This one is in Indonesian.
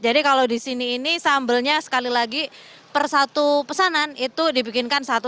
jadi kalau disini ini sambelnya sekali lagi per satu pesanan itu dibikinkan satu